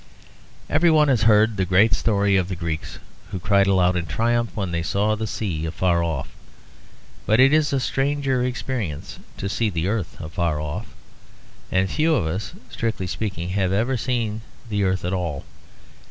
Every one has heard the great story of the Greeks who cried aloud in triumph when they saw the sea afar off; but it is a stranger experience to see the earth afar off. And few of us, strictly speaking, have ever seen the earth at all.